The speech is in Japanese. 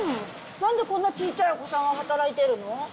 何でこんなちいちゃいお子さんが働いてるの？